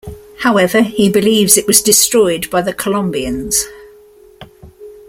However, he believes it was destroyed by the Colombians.